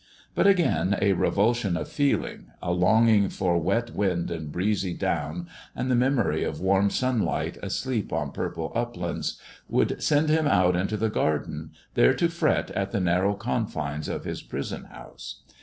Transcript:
But again a revulsion of feeling, a longing for wet wind and breezy down, and the memory of warm sunlight asleep on purple uplands, would send him out into the garden, there to fret at the narrow confines of his prison house.